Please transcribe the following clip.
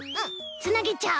つなげちゃう。